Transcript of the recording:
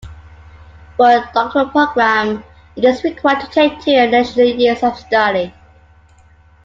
For a doctoral programme it is required to take two additional years of study.